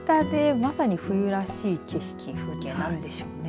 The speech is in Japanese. まさに冬らしい景色風景なんでしょうね。